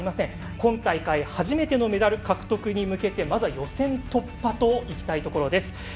今大会、初めてのメダル獲得を目指しまずは予選突破といきたいところです。